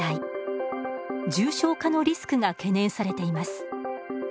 重症化のリスクが懸念されています。